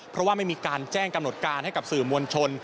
เพราะว่าไม่มีการแจ้งกำหนดการให้กับสื่อมวลชน